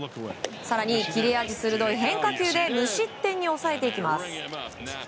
更に切れ味鋭い変化球で無失点に抑えていきます。